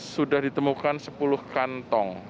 sudah ditemukan sepuluh kantong